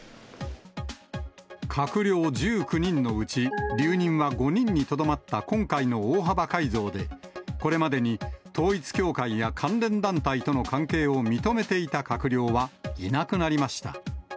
閣僚１９人のうち、留任は５人にとどまった今回の大幅改造で、これまでに統一教会や関連団体との関係を認めていた閣僚はいなくなりました。